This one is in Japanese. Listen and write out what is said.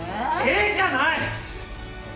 「え？」じゃない！